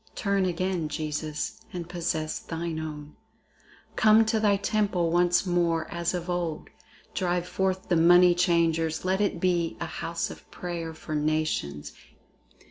Turn again, Jesus, and possess thine own! Come to thy temple once more as of old! Drive forth the money changers, let it be A house of prayer for nations.